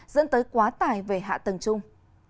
dẫn tới quá tài về hạ tầng chung